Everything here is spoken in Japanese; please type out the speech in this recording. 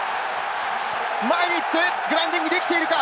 前に行ってグラウンディングできているか？